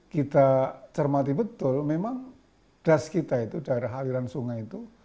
kita cermati betul memang das kita itu daerah aliran sungai itu